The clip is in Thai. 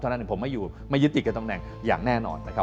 เท่านั้นผมไม่ยึดติดกับตำแหน่งอย่างแน่นอนนะครับ